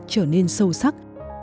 sẽ trở nên sâu sắc